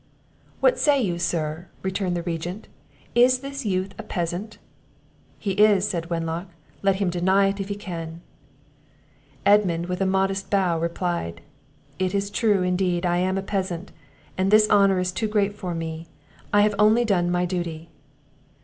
"What say you, sir!" returned the Regent; "is this youth a peasant?" "He is," said Wenlock; "let him deny it if he can." Edmund, with a modest bow, replied, "It is true indeed I am a peasant, and this honour is too great for me; I have only done my duty."